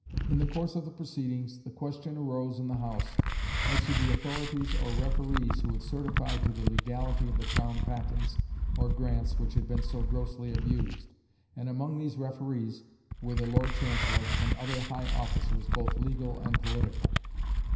In the course of the proceedings, the question arose in the House as to the authorities or "referees" who had certified to the legality of the Crown patents or grants which had been so grossly abused; and among these "referees" were the Lord Chancellor and other high officers, both legal and political.